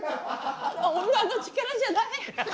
女の力じゃない。